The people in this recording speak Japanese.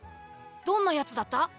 どんなヤツだった？